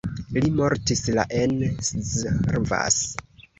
Li mortis la en Szarvas.